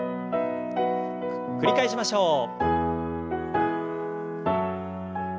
繰り返しましょう。